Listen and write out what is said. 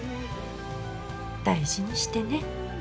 大事にしてね。